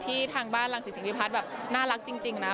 ที่ทางบ้านหลังศรีสิงพีพัศน์แบบหน้าลักจริงนะ